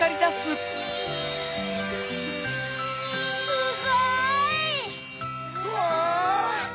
すごい！うわ！